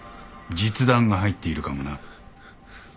実弾が入っているかもな。